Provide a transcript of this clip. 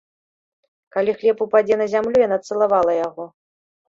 Калі хлеб упадзе на зямлю, яна цалавала яго.